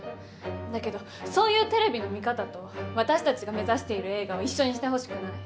だけどそういうテレビの見方と私たちが目指している映画を一緒にしてほしくない。